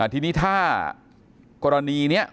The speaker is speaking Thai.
ทีนี้ถ้ากรณีนี้